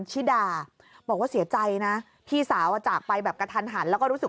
ชิดาบอกว่าเสียใจนะพี่สาวจากไปแบบกระทันหันแล้วก็รู้สึก